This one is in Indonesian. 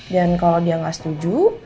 dan kalau dia gak setuju